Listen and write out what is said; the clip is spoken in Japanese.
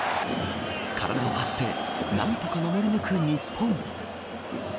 体を張って何とか守り抜く日本。